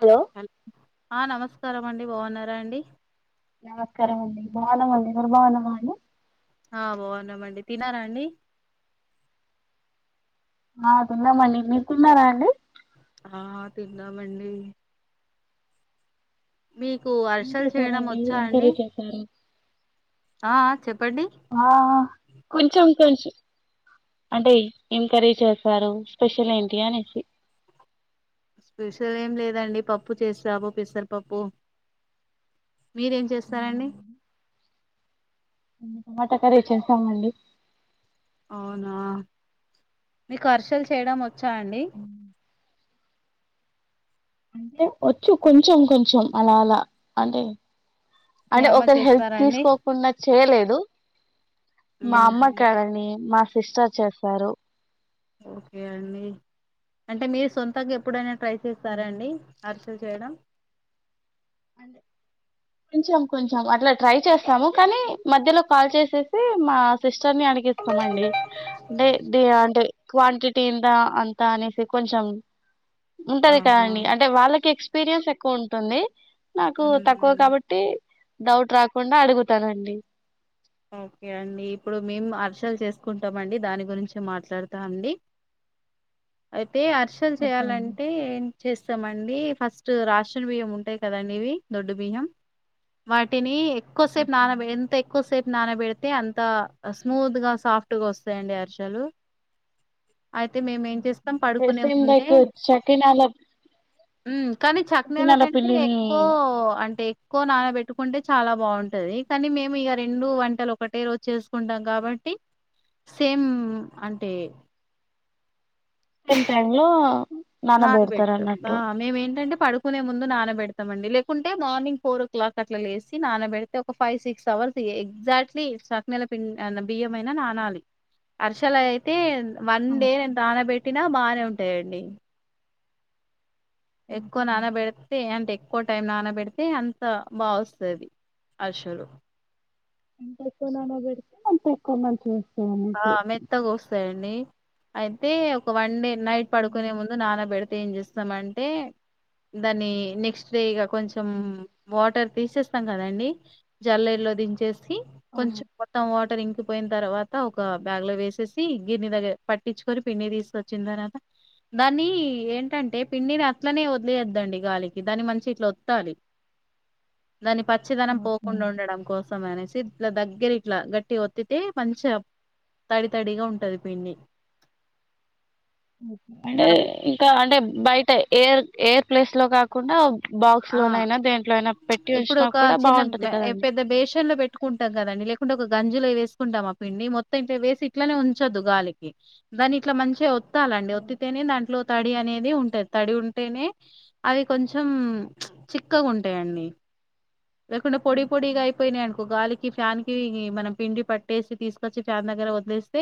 Hello ఆ నమస్ సారం అండి. బాగున్నారా అండి. నమస్కారం అండి. బాగున్నాం అండి. మీరు బాగున్నారా అండి. ఆ బాగున్నామండి. తిన్నారా అండి. ఆ తిన్నామండి. మీరు తిన్నారా అండి. ఆ తిన్నామండి. మీ ఏం చేశారు అండి. ఏం కర్రీ చేశారు. ఆ చెప్ ఆ కొంచెం కొంచెం. అంటే ఏం కర్రీ చేశారు. స్పెషల్ ఏంటి అనేసి. స్పెషల్ ఏం లేదండి. పప్పు చేసాము. పెసరపప్పు. మీరేం చేస్తారండి. టమోటా కర్రీ చేశామండి. అవునా. నీకు అరిసెలు చేయడం వచ్చా అండి. అంటే వచ్చు. కొంచెం, కొంచెం అలా అలా అంటే. మీ అంటే అమ్మ ఒకరి హెల్ప్ చేస్తారండి తీసుకోకుండా చేయలే. ఓ మా అమ్మ ఊహూ కాదండి మా సిస్టర్ చేస్తారు ఓకే అండి అంటే మీరు సొంతంగా ఎప్పుడైనా ట్రై చేస్తారా అండి పుల్ చేయడం కొంచెం కొంచెం అట్లా ట్రై చేస్తాము కానీ మధ్యలో కాల్ చేసేసి మా సిస్ చర్ ని అడిగిస్తామండి డే డి అంటే క్వాంటిటీ ఇంతా అంతా అనేసి కొంచెం ఉంటది ఆహా కాదండి అంటే వాళ్ళకెక్స్ ఎక్స్పీరియన్స్ ఎక్కువ ఉంటుంది నాకు తక్కువ ఊ కాబట్టి డౌట్ రాకుండా అడుగుతానండి ఓకే అండి ఇప్పుడు మేము అర్షలు చేసుకుంటామండి దాని గురించి మాట్లాడుతా అండి ఐత్ తే ఆర్షలు ఓకే అండి చేయాలంటే ఏన్ చేస్తామండి ఫస్ట్ రాషన్ బియ్యం ఉంటాయి కదండి ఇవి దొడ్డు బియ్యం వాటిని ఎక్కువసేపు నాన బె ఎంత ఎక్కువ సేప్ నానబెడితే అంతా స్మూత్ గా సాఫ్ట్గా వస్తాయండి అరిసెలు అయితే మేము ఏం చేస్తాం పడుకునే [unintelligible] హ్మ్ కానీ చకినాల కంటే ఎక్కువ అంటే ఎక్కువ నానపెట్టుకుంటే చాలా బాగుంటది కానీ మేము ఇగ రెండు వంటలు ఒకటే రోజు చేసుకుంటాం కాబట్టి సేమ్ అంటే ఎంతలో నానబెడతాం ఆ మేమేంటంటే పడుకునే ముందు నానబెడతామండి లేకుంటే మార్నింగ్ ఫోర్ ఓ క్లాక్ అట్లా లేసి నానబెడితే ఒక ఫైవ్ సిక్స్ అవర్స్ ఎగ్జాక్ట్లీ చకినాల పిండి బియ్యమయినా నానాలి అరిసెలు అయితే వన్ డే ఓకే నేను నానపెట్టినా బానే ఉంట ఉంటాయండి ఎక్కువ నానబెడితే అంటే ఎక్కువ టైం నానబెడితే అంత బా వస్తుంది అరిషలు ఎంత ఎక్కువ నానబెడితే ఆంత ఎక్కువ మంచిగ వస్తది ఆ మెత్తగా వస్తాయండి అయితే ఒక వన్ డే నైట్ పడుకునే ముందు నానాబె ఏం చేస్తామంటే దాని నెక్స్ట్ డే కొంచెం వాటర్ తీసేస్తాం కదండి బెల్లీడాలో దించేస్ సి ఉ ఆ కొంచెం మొత్తం వాటర్ ఇం పోయిన తర్వా త ఒక బ్యాగ్ లో వేసేసి గిని దగ్గర పట్టించుకొని పిండి తీసుకొచ్చిన తర్వాత దాని ఏంటంటే పిండిని అట్లనే వదిలేద్దండి గాలికి దాని మంచిగా ఇట్లా వత్తాలి. దాని పచ్చిదనం పోకుండా ఉండడం కోసం అనేసి. ఇట్లా దగ్గర ఇట్లా గట్టి ఒత్తితే మంచిగా తడి తడిగా ఉంటది పిండి అంటే తర ఇంకా అంటే బయట ఏర్ ఎర్ ప్లేస్ లో కాకు ఆ పెట్టి ఇప్పుడు ఉంచినా ఒక కూడా చిన్న బాగుంటది కదండి పెద్ద బేషన్ లో పెట్టుకుంటాం కదండి లేకుంటే ఒక గంజలో వేస్త కుంటాం ఆ పిండి మొత్తం ఇట్లా వేసి ఇట్లనే ఉంచొద్దు గాలికి దాని ఇట్లా మంచిగా వో తలండి వత్తితేనే దాంట్లో తడి అనేది ఉంటది తడి ఉంటేనే అవి కొం చెం చిక్కగా ఉంటాయండి. లేకుండా పొడి పొడిగా అయిపోయినాయి అనుకో గాలికి ఫ్యాన్ కి మనం పిండి పట్టేసి తీసుకొచ్చి ఫ్యాన్ దగ్గర వదిలేస్తే,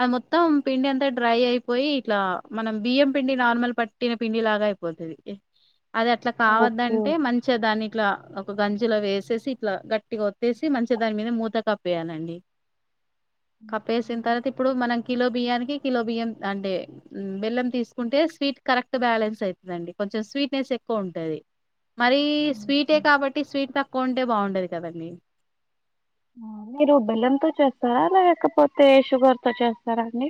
అ మొత్తం పిండి అంతా డ్రై అయిపోయి, ఇట్లా మనం బియ్యం పిండి నార్మల్ పట్టిన పిండి లాగా అయిపోతుంది. అది అట్లా కావద్దంటే మంచిగా దాని ఇట్లా.. గంజిలో వేసేసి ఇట్లా గట్టిగా ఒత్తేసి మంచిగా దాని మీద మూత కప్పేయాలండి కప్పేసిన తర్వాత ఇప్పుడు మనం కిలో బియ్యానికి కిలో బియ్యం అంటే బెల్లం తీసుకుంటే స్వీట్ కరెక్ట్ బ్యాలెన్స్ అవుతుందండి కొంచెం స్వీట్నెస్ ఎక్కువ ఉంటుంది. మరి స్వీటే కాబట్టి స్వీట్ తక్కువ ఉంటే బాగుంటది కదండీ. మీరు బెల్లంతో చేస్తారా లేకపోతే షుగర్ తో చేస్తారండి.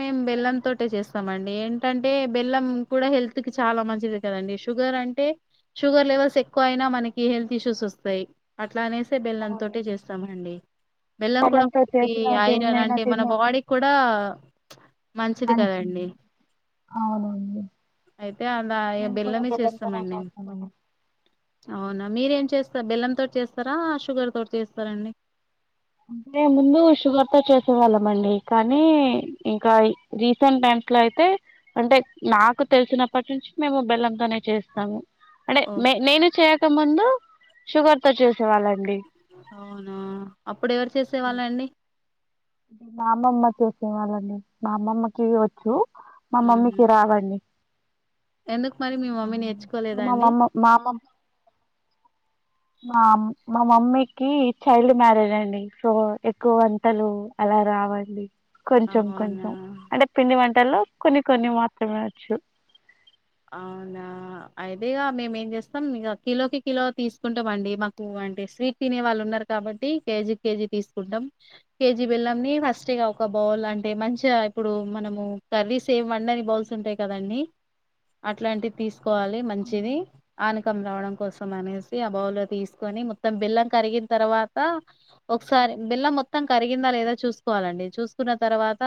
మేము బెల్లం తోటే చేస్తామ అండి ఏంటంటే బెల్లం కూడా హెల్త్ కి చాలా మంచిది కదండి షుగర్ అంటే షుగర్ లెవెల్స్ ఎక్కువ అయినా మనకి హెల్త్ ఇష్యూస్ వస్తాయి అట్లానే స్ బెల్లం తోటే చేస్తామండి బెల్లం కూడా బెల్లంతో [unintelligible] కి చేసిన ఐరన్ దేన్నైనా అంటే మన తిన్నా బాడీ కూడా మంచిది కదాండి అయితే అలా మేము కూడా బెల్లమే చేస్తామండి మేము అవునా మీరేం చేస్త బెల్లం తోటి చేస్తారా షుగర్ తోటి చేస్తారండి అంటే ముందు షుగర్ తో చేసేవాళ్ళం అండి కానీ ఇంకా రీసెంట్ టైమ్స్ లో అయితే అంటే నాకు తెలిసినప్పటి నుంచి మేము బెల్లంతోనే చేస్తాము. అంటే ఓ నేను చేయ కామందు షుగర్ తో చేసేవాళ్ళండి. అవునా అప్పుడు ఎవరు చేసేవాళ్ళ అండి మా అమ్మమ్మ చేసే వాళ్లండి మా అమ్మమ్మకి వోచ్చు. మా మ్హూ. మమ్మీకి రావండి ఎందుకు మరి మీ మమ్మీ మా నేర్చుకోలేదాండి మమ్మ మా అమ్మ మా మా మమ్మీకి చైల్డ్ మ్యారేజ్ అండి, సో ఎక్కువ వంటలు అలా రావండి కొంచెం కొంచెం అవునా అంటే పిండి వం లో కొన్ని కొన్ని మాత్రమే వచ్చు అవునా, అయితే ఇగా మేము ఏం చేస్తాం ఇగా కిలోకి కిలో తీసుకుంటామండి, మాకు అంటే స్వీట్ తినే వాళ్ళు ఉన్నారు కాబట్టి కేజీకి కేజీ తీసుకుంటం, కేజీ బెల్లంని ఫస్ట్ ఇక ఒక బౌల్ అంటే, మంచిగా ఇప్పుడు మనము కర్రీస్ ఏం వండని బౌల్స్ ఉంటయి కదండి అట్లాంటిది తీసు కోవాలి మంచిది ఆన కం రావడం కోసం అనేసి ఆ బౌల్ తీసుకొని, మొత్తం బెల్లం కరిగిన తర్వాత ఒకసారి బెల్లం మొత్తం కరిగిందా లేదా చూసుకోవాలండి, చూసుకున్న తర్వాత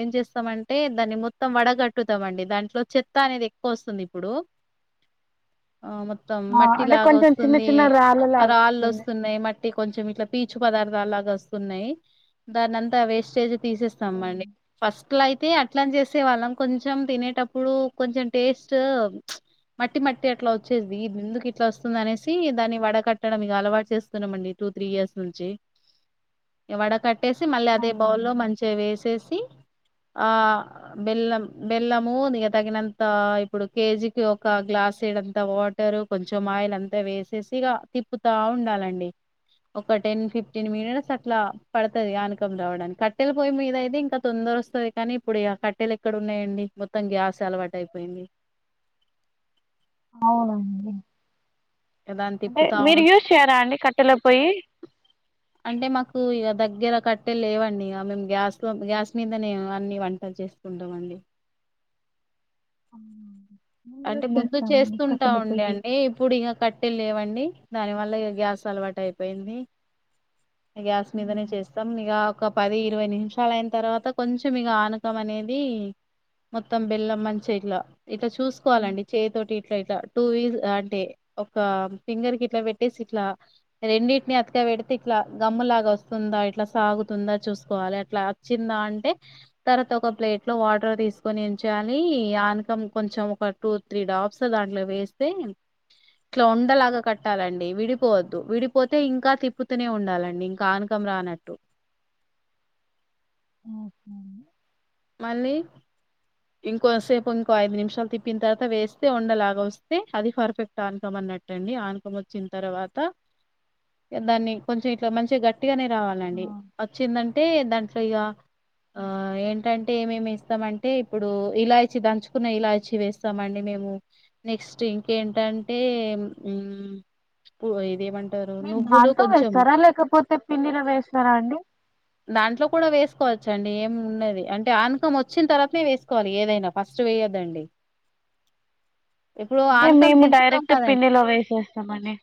ఏం చేస్తామంటే దాన్ని మొత్తం వడగట్టుతమండి, దాంట్లో చె త్త అనేది ఎక్కువ వస్తుంది ఇప్పుడు ఆ మొత్తం ఆ అంటే మట్టిలాగా కొంచెం చిన్న వస్తుంది చిన్న రాళ్ళు లాగా రాళ్ళు వస్తుంది వస్తున్నాయి మ ట్టి కొంచెం ఇట్ల పీచు పదార్థాల లాగ వస్తున్నాయి దాన్నంత వేస్టేజ్ తీసేస్తామండి ఫస్ట్ ట్లా అయితే అట్ల చేసే వాళ్ళం కొంచెం తినేటప్పుడు కొంచం టేస్ట్, ప్చ్ మట్టి మట్టి అట్లా వచ్చేది, మెందుకు ఇట్ల వస్తుంది అనేసి దాన్ని వడ కట్టడం ఇగ అలవాటు చేస్తున్నామండి, టూ త్రీ ఇయర్స్ నుంచి వడక ట్టేసి మళ్ళీ అదే బౌల్లో మంచిగా వేసేసి ఆ బెల్లం బెల్లమూ తగినంత, ఇప్పుడు కేజీకి ఒక గ్లాసెడంత వాటర్ కొంచెం ఆయిల్ అంత వేసేసి ఇగ, తిప్పుతా ఉండాలండి, ఒక టెన్ ఫిఫ్టీన్ మినిట్స్ అట్లా పడుతది ఆనకం రావడానికి, కట్టెలు పొయ్యి మీద అయితే ఇంక తొందర వస్తది, కానీ ఇప్పుడు కట్టెలు ఎక్కడ ఉన్నాయండి మొత్తం గ్యాస్ అలవాటు అయిపోయింది అవునండి ఇగ దాన్ని అంటే తిప్పుతా మీరు ఉం యూస్ చేయ్యారా అండి కట్టెల పొయ్యి అంటే మాకు ఇక దగ్గర కట్టేలు లేవండి, ఇగ మేము గ్యాస్లో గ్యాస్ మీదనే అన్ని వంటలు చేసుకుంటమండి. మేము అంటే యూజ్ ముందు చేస్తామండి చేస్తుంటా కట్టెల ఉండే పొయ్యి అండి ఇప్పుడు ఇగ కట్టెలు లేవండి దాని వల్ల ఇగ గ్యాస్ అలవాటు అయిపోయింది గ్యాస్ మీదనే చేస్తాం ఇగ ఒక పది ఇరవై నిమిషాలు అయిన తర్వాత కొంచెం ఇక ఆనకం అనేది, మొత్తం బెల్లం మంచి ఇట్ల ఇట్ల చూ కోవాలండి చేతోటి ఇట్ల ఇట్ల టూ వీస్ అంటే ఒక ఫింగర్ కి ఇట్ల పెట్టేసి ఇట్లా రెండింటిని అత్కపెడితే, ఇట్ల గమ్ము లాగా వస్తుందా, ఇట్ల సాగుతుందా చూసుకోవాలి, అట్ల అచ్చిందా అంటే తర్వాత, ఒక ప్లేట్ లో వాటర్ తీసుకొని ఎం చెయ్యాలి ఆనకం కొంచెం ఒక టూ త్రీ డాబ్స్ దాంట్లో వేస్తే, ఇట్ల వుండలాగ కట్టాలండి, విడిపోవద్దు విడిపోతే ఇంకా తిప్పుతూనే ఉండాలండి ఇంకా ఆనకం రానట్టు మళ్ళీ, ఇంకోసేపు ఇంకో ఐదు నిమిషాలు తిప్పిన తర్వాత వేస్తే వుండలాగ వస్తే అది పర్ఫెక్ట్ ఆనకమన్నట్టండి, ఆనకము వచ్చిన తర్వాత దాన్ని కొంచెం ఇట్ల మంచిగా గ ట్టిగానే రావాలండి వచ్చిందం టే దాంట్లో ఇగా ఆ ఏంటం టే ఏమేమి వేస్తామంటే, ఇప్పుడు ఇలాచి దంచుకున్న ఇలాచి వేస్తామండి మేము, నెక్స్ట్ ఇంకేంటంటే మ్మ్ ఇదేమం మీరు దాంట్లో వేస్తారా లేకపోతే పిండిలో వేస్తారా అండి దాంట్లో కూడా వేసుకోవచ్చు అండి, ఏం ఉన్నది అంటే ఆనకం వచ్చిన తర్వాతనే వేసుకోవాలి ఏదైనా ఫస్ట్ వేయ్యొద్దండి మేము మేము డైరెక్ట్ పిండిలో వేసేస్తామండి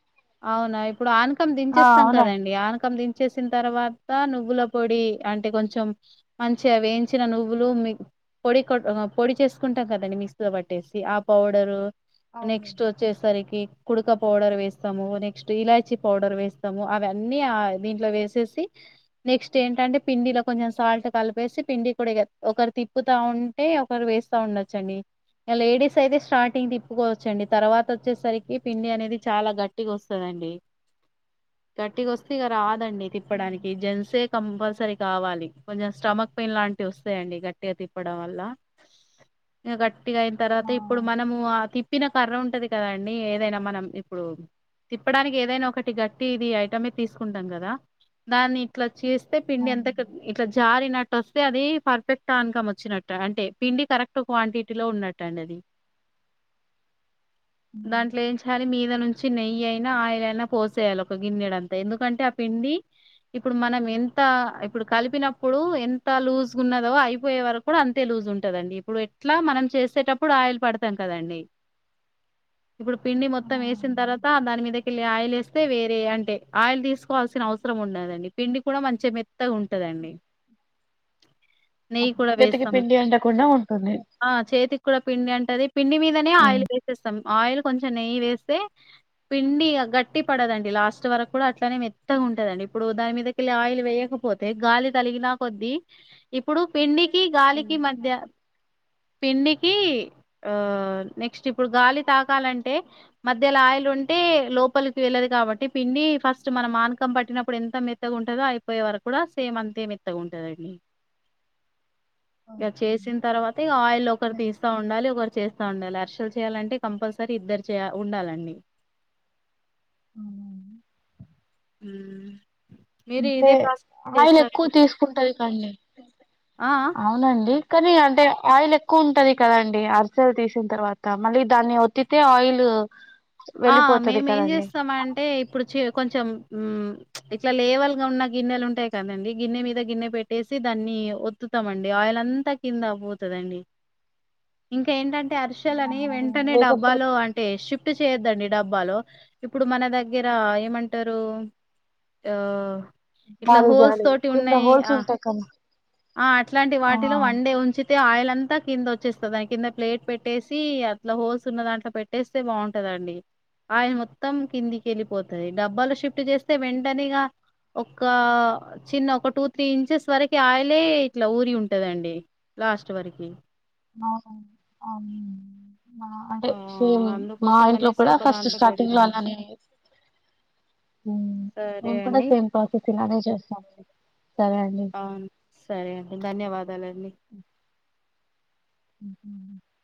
అవునా ఇ ప్పుడు ఆనకం ఆ దించేస్తాం అవునండి కదండి ఆనకం దిం చేసిన తర్వాత నువ్వుల పొడి అంటే కొంచెం మంచిగా వేయించిన నువ్వులు మి పొడి కొ పొడి చేసుకుంటాం కదండి మిక్సితో పట్టేసి ఆ పౌడరు నెక్స్ట్ వచ్చేసరికి కుడక పౌడర్ వేస్తాము నెక్స్ట్ ఇలాచి పౌడర్ వేస్తాము అవన్నీ ఆ దీంట్లో వేసేసి నెక్స్ట్ ఏంటంటే పిండిలో కొంచెం సాల్ట్ కలిపేసి పిండి కూడా ఒకరు తిప్పుతా ఉంటే ఒకరు వేస్తా ఉండొచ్చండి ఇక లేడీస్ అయితే స్టార్టింగ్ తిప్పుకోవచ్చుండి తర్వాత వచ్చేసరికి పిండి అనేది చాలా గట్టిగా వస్తుందండి గట్టిగా వస్తే ఇక రా దండి తిప్పడానికి జీన్స్ ఏ కంపల్సరీ కావాలి కొంచెం స్టమక్ పెయిన్ లాంటివి వస్తాయండి గట్టిగా తిప్పడం వల్ల ఇంకా గట్ అయిన తర్వాత ఇప్పుడు మనము ఆ తిప్పిన కర్ర ఉంటది కదండి ఏదైనా మనం ఇప్పుడు తిప్పడానికి ఏదైనా ఒకటి గట్టిది ఐటమే తీసుకుంటాం కదా దాన్ని ఇట్లా చేస్తే పిండి ఎంత ఇట్లా జారినట్టు వస్త టె అదే పర్ఫెక్ట్ అనుకం వచ్చినట్టు అంటే పిండి కరెక్ట్ క్వాంటిటీలో ఉన్నట్ అండి అది దాంట్లో ఏం చేర్ మీద నుంచి నెయి అయినా ఆయిల్ అయినా పోసేయాలి ఒక గిన్నెడంతా ఎందుకంటే ఆ పిండి ఇప్పుడు మన ఎంత ఇప్పుడు కలిపినప్పుడు ఎంత లూజ్ ఉన్నదో అయిపోయే వరకు కూడా అంతే లూజ్ ఉంటదండి ఇప్పుడు ఎట్లా మనం చేసేటప్పుడు ఆయిల్ పడతాన్ టా అండి ఇప్పుడు పిండి మొత్తం వేసిన తర్వాత దాని మీదకిెళ్ళి ఆయిల్ వేస్తే అంటే ఆయిల్ తీసుకోవాల్సిన అవసరం ఉండదండి పిండి కూడా మంచిగా మెత్తగా ఉంటదండి నెయ్యి కూడా చేతికి వేస్తాం పిండి అంటకుండా ఉంటుంది ఆ చేతికి కూడా పిండి అంట్ అదే పిండి మీదనే ఆయిల్ వేసేస్తాం ఆయిల్ కొంచెం నెయ్యి వేస్తే పిండి గట్టి పడదండి లాస్ట్ వరకు కూడా అట్లనే మెత్తగా ఉంటదండి ఇప్పుడు దాని మీద ఆయిల్ వేయకపోతే గాలి తలిగిన కొద్ది ఇప్పుడు పిండి గాలికి మధ్య పిండికి ఆ నెక్స్ట్ ఇప్పుడు గాలి తాకాలంటే మధ్యలో ఆయిల్ ఉంటే లోపలికి వెళ్ళదు కాబట్టి పిండి ఫస్ట్ మనం మానకం పట్టినప్పుడు ఎంత మె త్తగున్ టదో అయిపోయే వరకు కూడా సేమ్ అంతే మెత్తగుంటదండి ఇక చేసిన తర్వాత ఇక ఆయిల్ ఒకరు తీస్తా ఉండాలి ఒకరు చేస్తా ఉండాలి అరసె లు చేయాలంటే కంపల్సరీ ఇద్దరు చే ఉండాలండి ఉమ్ అంటే ఆయిల్ ఎక్కువ తీసుకుంటది కానీ ఆ అవునఅండి కానీ అంటే ఆయిల్ ఎక్కువ ఉంటది కదండి అరిసెలు తీసిన తర్వాత మళ్ళీ దాన్ని ఒత్తితే ఆయిల్ ఆ వెళ్ళిపోతది మేము ఏం కదండి చేస్తామఅంటే ఇప్పుడు చే కొంచెం ఇట్లా లేవల్గా ఉన్న గిన్నెలు ఉంటాయి కదండి గిన్నె మీద గిన్నె పెట్టేసి దాన్ని ఒత్తుతామండి ఆయిల్ అంతా కింద పోతదండి ఇంకా ఏంటంటే అర్షల్ ని వెంటనే డబ్బాలో అంటే షిఫ్ట్ అండి డబ్బాలో ఇప్పుడు మన దగ్గర ఏమంటరు ఆ ఇట్లా జాలి హోల్స్ జాలి తోటి కింద ఉన్నాయి హోల్స్ ఆ ఉంటాయి కదా ఆ అట్లాంటి వాటిలో వన్డే ఉంచి అయితే ఆయిల్ అంతా కింద వచ్చేస్తది, దాని కింద ప్లేట్ పెట్టేసి అట్లా హోల్స్ ఉన్న దాంట్లో పెట్టేస్తే బాగుం ంటదండి ఆయిల్ మొత్తం కిందికి వెళ్ళిపోతది, డబ్బాలు షిఫ్ట్ చేస్తే వెంటనే ఇగా, ఒక చిన్న ఒక టూ త్రీ ఇంచెస్ వరకి ఆయిలే ఇట్లా ఊరి ఉంటదండి లాస్ట్ వరకి అవు అ అ అంటే ఆ సేమ్ మా అందుకోసం ఇంట్లో అనేసి కూడా ఒక ఫస్ట్ దాంట్లో స్టార్టింగ్ లో పెడతాను అలానే అండి, సరే మేము కూడా అండి సేమ్ ప్రాసెస్ ఇలానే చేస్తాము అండి. అవును సరే అండి ధన్యవాదాలండి